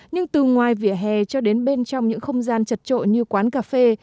nhưng từ ngoài vỉa hè cho đến bên trong những không gian chật trội như quán cà phê